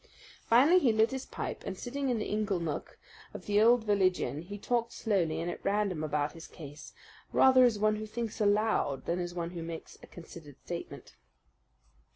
Finally he lit his pipe, and sitting in the inglenook of the old village inn he talked slowly and at random about his case, rather as one who thinks aloud than as one who makes a considered statement.